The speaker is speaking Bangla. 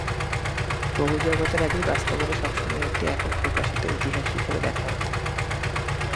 বহু-জগতের আগে বাস্তবতা সবসময়ই একটি একক প্রকাশিত ইতিহাস হিসাবে দেখা হত।